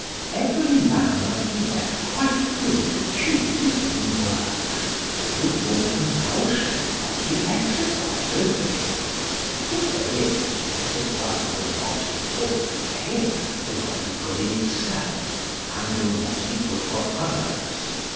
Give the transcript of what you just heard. Every man must be left quite free to choose his own work. No form of compulsion must be exercised over him. If there is, his work will not be good for him, will not be good in itself, and will not be good for others.